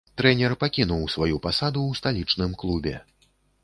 Трэнер пакінуў сваю пасаду ў сталічным клубе.